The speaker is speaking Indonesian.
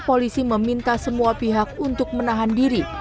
polisi meminta semua pihak untuk menahan diri